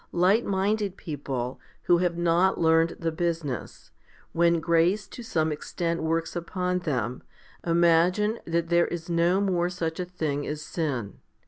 Light minded people, who have not learned the business, when grace to some extent works upon them, imagine that there is no more such a thing as sin.